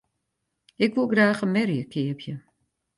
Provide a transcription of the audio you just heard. Ik woe graach in merje keapje.